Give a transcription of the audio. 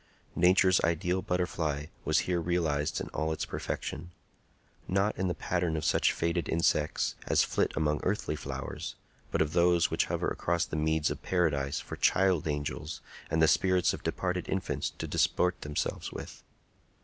Nature's ideal butterfly was here realized in all its perfection; not in the pattern of such faded insects as flit among earthly flowers, but of those which hover across the meads of paradise for child angels and the spirits of departed infants to disport themselves with.